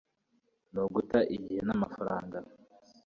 ni uguta igihe n'amafaranga